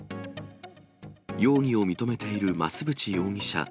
容疑を認めている増渕容疑者。